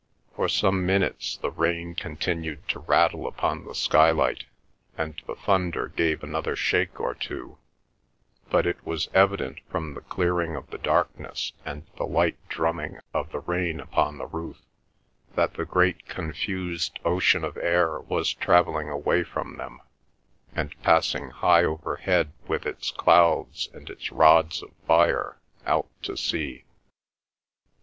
For some minutes the rain continued to rattle upon the skylight, and the thunder gave another shake or two; but it was evident from the clearing of the darkness and the light drumming of the rain upon the roof, that the great confused ocean of air was travelling away from them, and passing high over head with its clouds and its rods of fire, out to sea.